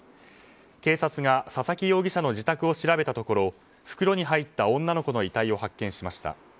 警察が佐々木容疑者の自宅を調べたところ袋に入った女の子の遺体を発見しました。